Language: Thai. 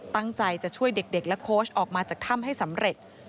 ตั้งใจจะช่วยเด็กและโค้ชออกมาจากถ้ำให้สำเร็จ